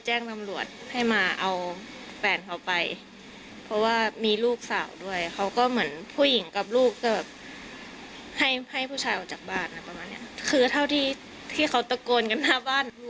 อ้าวทำไมกลับเร็วอ่ะไม่ได้ไปบ้านหญ้ากันเหรอ